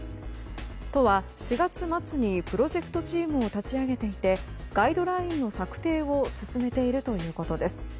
都は４月末にプロジェクトチームを立ち上げていてガイドラインの策定を進めているということです。